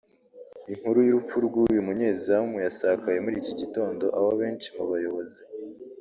Inkuru y’urupfu rw’uyu munyezamu yasakaye muri iki gitondo aho benshi mu bayobozi